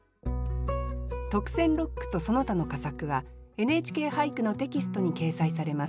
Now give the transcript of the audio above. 特選六句とその他の佳作は「ＮＨＫ俳句」のテキストに掲載されます。